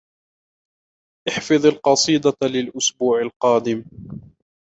احفظ القصيدة للأسبوع القادم.